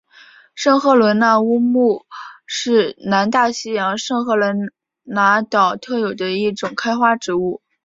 圣赫伦那乌木是南大西洋圣赫勒拿岛特有的一种开花植物。